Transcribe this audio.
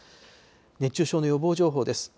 熱中症の予防情報です。